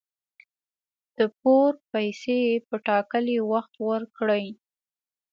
د پور پیسي په ټاکلي وخت ورکړئ